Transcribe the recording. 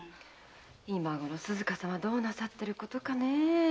今ごろ鈴加様はどうなさってることかねぇ。